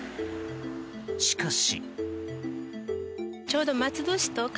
しかし。